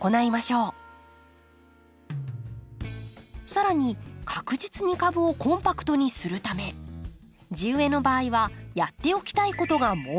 更に確実に株をコンパクトにするため地植えの場合はやっておきたいことがもう一つ。